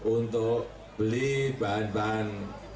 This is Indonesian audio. untuk beli bahan bahan